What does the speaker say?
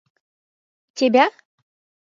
Тебя?